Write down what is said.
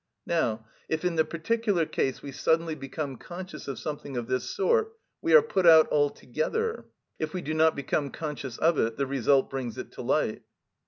Now if in the particular case we suddenly become conscious of something of this sort, we are put out altogether; if we do not become conscious of it, the result brings it to light.